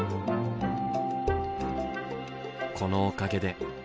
このおかげで。